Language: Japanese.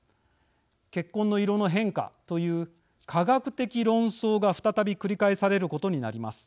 血痕の色の変化という化学的論争が再び繰り返されることになります。